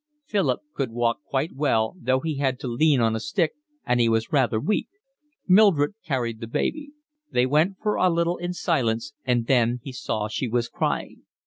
Philip could walk quite well, though he had to lean on a stick, and he was rather weak. Mildred carried the baby. They went for a little in silence, and then he saw she was crying.